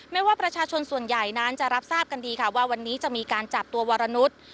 ไม่ว่าประชาชนส่วนใหญ่นั้นจะรับทราบกันดีค่ะว่าวันนี้จะมีการจับตัววรนุษย์